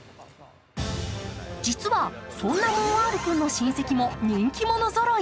実はそんなモンアール君の親戚も人気者ぞろい。